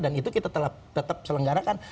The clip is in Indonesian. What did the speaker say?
dan itu kita tetap selenggarakan